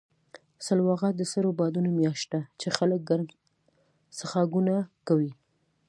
سلواغه د سړو بادونو میاشت ده، چې خلک ګرم څښاکونه خوري.